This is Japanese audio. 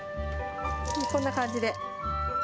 こんな感じで。